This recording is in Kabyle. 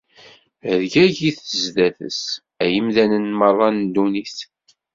Rgagit sdat-s, ay imdanen merra n ddunit!